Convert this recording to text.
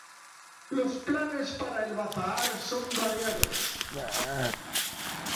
Los planes para el Bazaar son variados.